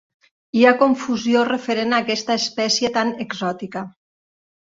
Hi ha confusió referent a aquesta espècie tan exòtica.